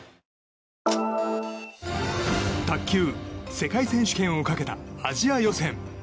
卓球世界選手権をかけたアジア予選。